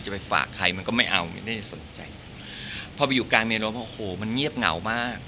จะไปฝากใครมันก็ไม่เอานี่จะสนใจพอไปอยู่กลางเมลมโหมันเงียบเหงามาก